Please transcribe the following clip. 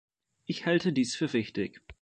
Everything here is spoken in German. Ich halte dies für wichtig.